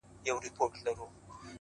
هغه زما خبري پټي ساتي؛